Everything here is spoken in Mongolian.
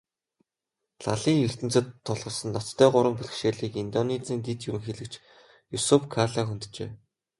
Лалын ертөнцөд тулгарсан ноцтой гурван бэрхшээлийг Индонезийн дэд ерөнхийлөгч Юсуф Калла хөнджээ.